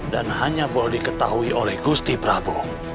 dan hanya boleh diketahui oleh gusih prabu